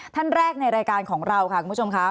ท่านแรกในรายการของเราค่ะคุณผู้ชมค่ะ